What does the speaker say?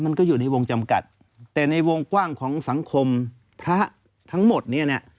มันก็อยู่ในวงจำกัดแต่ในวงกว้างของสังคมพระทั้งหมดเนี่ย